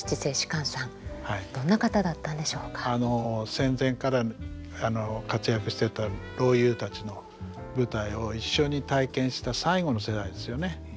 戦前から活躍してた老優たちの舞台を一緒に体験した最後の世代ですよね。